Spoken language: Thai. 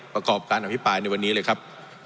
ประกอบการอภิปรายในวันนี้เลยครับ